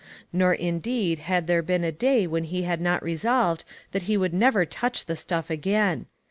Nor, indeed, had there been a day when he had not resolved that he would never touch the stuff again.